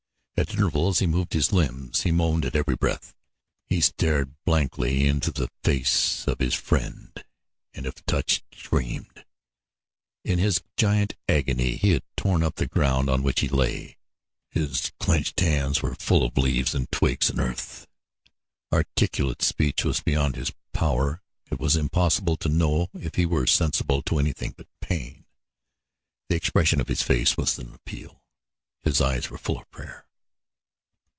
At intervals he moved his limbs; he moaned at every breath. He stared blankly into the face of his friend and if touched screamed. In his giant agony he had torn up the ground on which he lay; his clenched hands were full of leaves and twigs and earth. Articulate speech was beyond his power; it was impossible to know if he were sensible to anything but pain. The expression of his face was an appeal; his eyes were full of prayer.